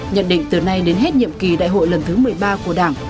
nhận định từ nay đến hết nhiệm kỳ đại hội lần thứ một mươi ba của đảng